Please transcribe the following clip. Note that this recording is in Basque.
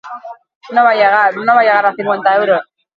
Ondorioz, hartutako neurriak bertan behera utzi zituen elizbarrutiak.